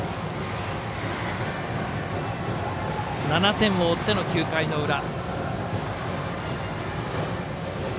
７点を追っての９回の裏。